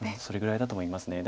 それぐらいだと思います。